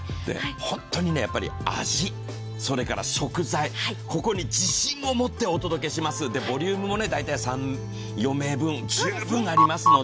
本当に味、それから食材、ここに自信を持ってお届けしますので、ボリュームも３４名分十分ありますので。